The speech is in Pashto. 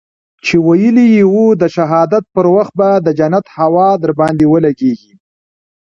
چې ويلي يې وو د شهادت پر وخت به د جنت هوا درباندې ولګېږي.